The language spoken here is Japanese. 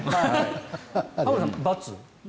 浜田さん、×？